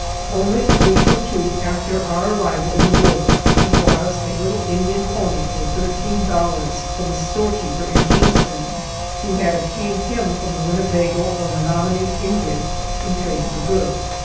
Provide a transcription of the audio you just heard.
Only a week or two after our arrival in the woods he bought us a little Indian pony for thirteen dollars from a store keeper in Kingston who had obtained him from a Winnebago or Menominee Indian in trade for goods.